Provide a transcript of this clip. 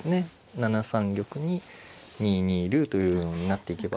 ７三玉に２二竜というようになっていけば。